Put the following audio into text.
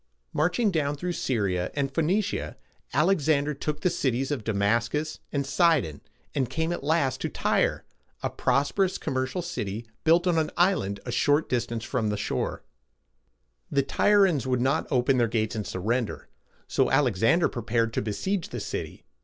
Marching down through Syr´i a and Phoe nic´ia, Alexander took the cities of Da mas´cus and Si´don, and came at last to Tyre, a prosperous commercial city built on an island at a short distance from the shore. The Tyr´i ans would not open their gates and surrender, so Alexander prepared to besiege the city.